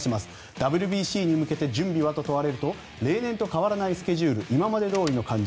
ＷＢＣに向けて準備は？と問われると例年と変わらないスケジュール今までどおりの感じ